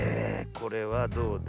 これはどうだ？